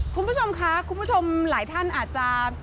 คุณผู้ชมค่ะคุณผู้ชมหลายท่านอาจจะ